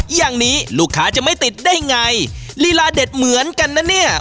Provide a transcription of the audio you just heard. อย่างนี้ลูกค้าจะไม่ติดได้ไงลีลาเด็ดเหมือนกันนะเนี่ย